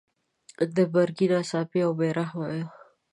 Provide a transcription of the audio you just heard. د مرګي ناڅاپي او بې رحمه وو.